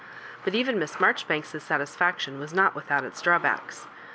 But even Miss Marjoribanks's satisfaction was not without its drawbacks.